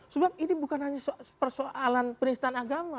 sebab ini bukan hanya persoalan penistaan agama